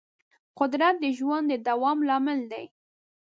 قدرت د ژوند د دوام لامل دی.